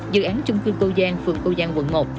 bảy dự án chung cư cô giang phường cô giang quận một